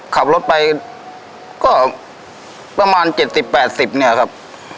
ขับรถไปก็ประมาณ๗๐๘๐เนี่ยครับ